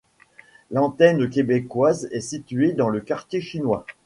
L’antenne québécoise est située dans le quartier chinois.